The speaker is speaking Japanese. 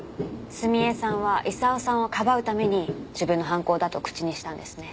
澄江さんは功さんを庇うために自分の犯行だと口にしたんですね。